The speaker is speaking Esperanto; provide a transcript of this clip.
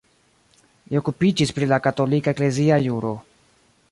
Li okupiĝis pri la katolika eklezia juro.